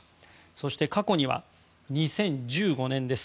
そして、過去には２０１５年です。